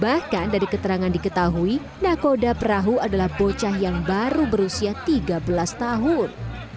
bahkan dari keterangan diketahui nakoda perahu adalah bocah yang baru berusia tiga belas tahun